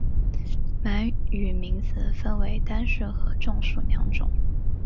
满语名词分成单数和众数两种。